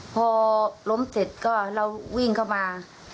พอล้มเสร็จก็เราวิ่งเข้ามา